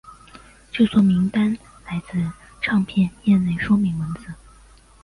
制作名单来自唱片内页说明文字。